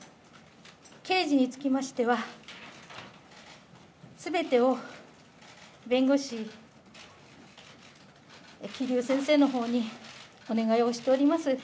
刑事につきましては、全てを弁護士、桐生先生のほうにお願いをしております。